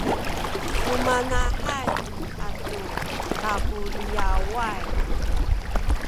sumanahay atu takuliyaway